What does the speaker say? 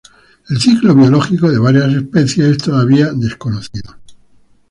El ciclo biológico de varias especies es todavía desconocido.